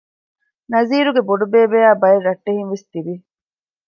ނަޒީރުގެ ބޮޑުބޭބެ އާއި ބައެއް ރައްޓެހިންވެސް ތިވި